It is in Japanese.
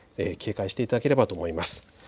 警戒していただければと思います。